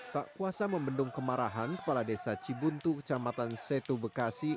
tak kuasa membendung kemarahan kepala desa cibuntu kecamatan setu bekasi